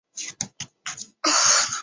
类似定义可以照搬至右模的情况。